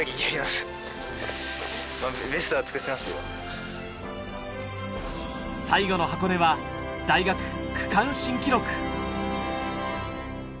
・最後の箱根は大学区間新記録！